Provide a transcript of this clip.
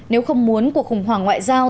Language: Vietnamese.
nếu không muốn cuộc khủng hoảng ngoại giao